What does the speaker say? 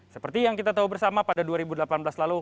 seperti yang kita tahu bersama pada dua ribu delapan belas lalu